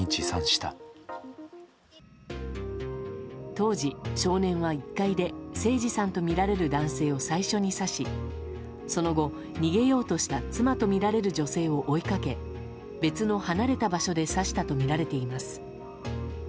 当時、少年は１階で盛司さんとみられる男性を最初に刺しその後、逃げようとした妻とみられる女性を追いかけ別の離れた場所で刺したとみられています。